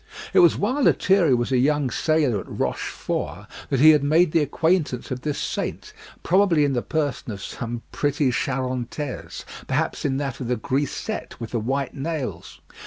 It was while Lethierry was a young sailor at Rochefort that he had made the acquaintance of this saint, probably in the person of some pretty Charantaise, perhaps in that of the grisette with the white nails.